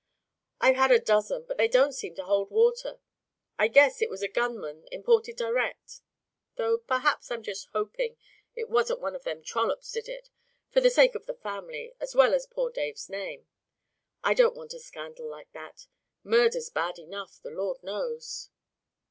"I've had a dozen but they don't seem to hold water. I guess it was a gunman, imported direct though perhaps I'm just hoping it wasn't one of them trollops did it for the sake of the family as well as poor Dave's name. I don't want a scandal like that. Murder's bad enough, the Lord knows."